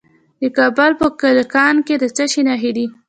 د کابل په کلکان کې د څه شي نښې دي؟